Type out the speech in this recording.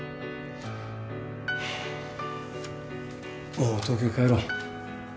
もう東京に帰ろう。